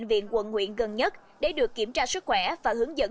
bệnh viện quận nguyện gần nhất để được kiểm tra sức khỏe và hướng dẫn